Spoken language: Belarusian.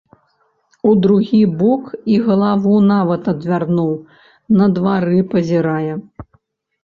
У другі бок і галаву нават адвярнуў, на двары пазірае.